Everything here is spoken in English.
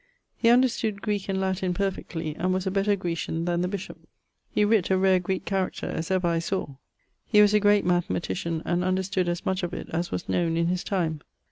He understood Greeke and Latin perfectly, and was a better Grecian then the bishop. He writt a rare Greeke character as ever I sawe. He was a great mathematician, and understood as much of it as was knowen in his time.